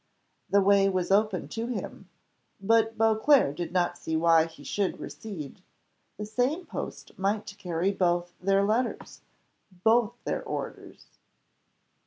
The way was open to him but Beauclerc did not see why he should recede; the same post might carry both their letters both their orders!